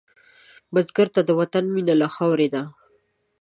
بزګر ته د وطن مینه له خاورې ده